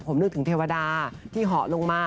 ผมนึกถึงเทวดาที่เหาะลงมา